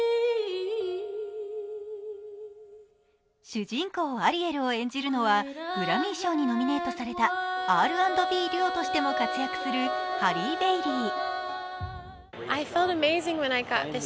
主人公・アリエルを演じるのは、グラミー賞にノミネートされたＲ＆Ｂデュオとしても活躍するハリー・ベイリー。